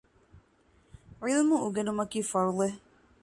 ޢިލްމު އުނގެނުމަކީ ފަރުޟެއް